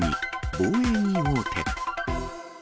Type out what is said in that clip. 防衛に王手。